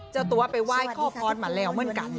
เจ้าตัวไปไหว้ขอพรมาแล้วเหมือนกัน